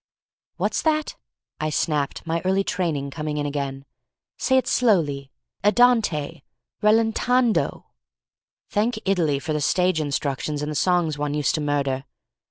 "What's that?" I snapped, my early training come in again. "Say it slowly—andante—rallentando." Thank Italy for the stage instructions in the songs one used to murder!